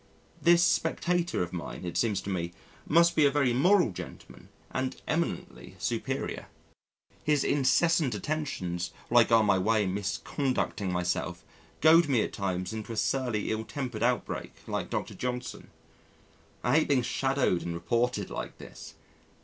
This spectator of mine, it seems to me, must be a very moral gentleman and eminently superior. His incessant attentions, while I go on my way misconducting myself, goad me at times into a surly, ill tempered outbreak, like Dr. Johnson. I hate being shadowed and reported like this.